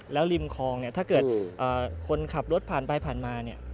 แล้วริมคลองเนี่ยถ้าเกิดคนขับรถผ่านไปผ่านมาเนี่ย